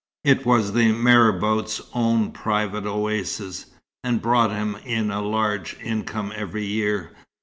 It was the marabout's own private oasis, and brought him in a large income every year.